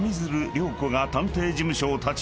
涼子が探偵事務所を立ち上げ